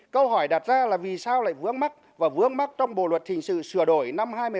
câu hỏi đặt ra là vì sao lại vướng mắc và vướng mắc trong bộ luật hình sự sửa đổi năm hai mươi bảy